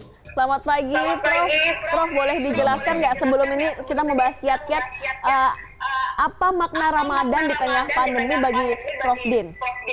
selamat pagi prof boleh dijelaskan nggak sebelum ini kita membahas kiat kiat apa makna ramadan di tengah pandemi bagi prof din